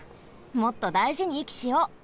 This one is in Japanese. もっとだいじにいきしよう。